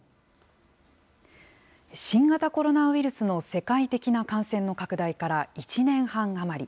新型コロナウイルスの世界的な感染の拡大から１年半余り。